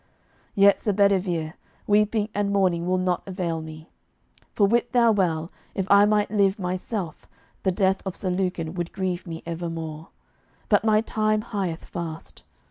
Yet, Sir Bedivere, weeping and mourning will not avail me; for wit thou well, if I might live myself, the death of Sir Lucan would grieve me evermore. But my time hieth fast.